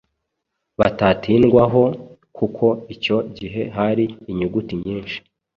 bitatindwaho kuko icyo gihe hari inyuguti nyinshi